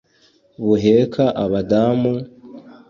Buheka Abadamu,